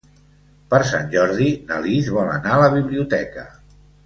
Per Sant Jordi na Lis vol anar a la biblioteca.